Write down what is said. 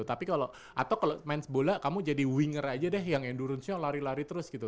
tapi kalau atau kalau main bola kamu jadi winger aja deh yang endurance nya lari lari terus gitu